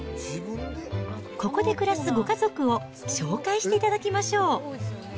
ここで暮らすご家族を紹介していただきましょう。